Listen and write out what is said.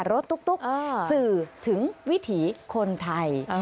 ตุ๊กสื่อถึงวิถีคนไทย